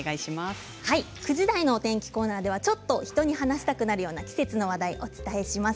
９時台のお天気コーナーでは、ちょっと人に話したくなるような季節の話題をお伝えします。